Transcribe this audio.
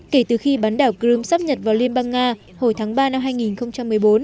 kể từ khi bắn đảo crimea sắp nhập vào liên bang nga hồi tháng ba năm hai nghìn một mươi bốn